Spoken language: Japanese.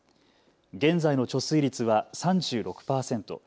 現在の貯水率は３６％。